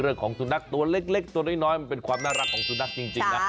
เรื่องของสุนัขตัวเล็กตัวน้อยมันเป็นความน่ารักของสุนัขจริงนะ